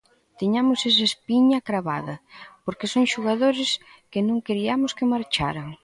Tiñamos esa espiña cravada, porque son xogadores que non queriamos que marcharan.